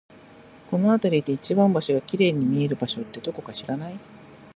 この辺りで一番星が綺麗に見える場所って、どこか知らない？